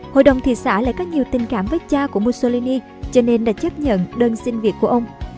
hội đồng thị xã lại có nhiều tình cảm với cha của mussolini cho nên đã chấp nhận đơn xin việc của ông